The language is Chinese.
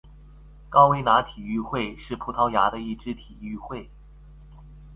高维拿体育会是葡萄牙的一支体育会。